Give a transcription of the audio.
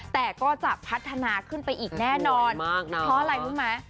แต่ก็จะพัฒนาขึ้นไปอีกแน่นอนเพราะอะไรรู้ไหม